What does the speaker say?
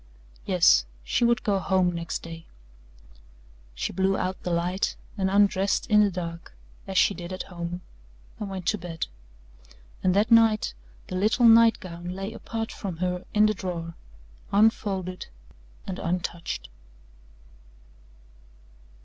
Yes, she would go home next day. She blew out the light and undressed in the dark as she did at home and went to bed. And that night the little night gown lay apart from her in the drawer unfolded and untouched.